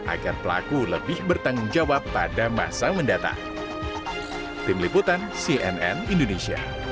agar pelaku lebih bertanggung jawab pada masa mendatang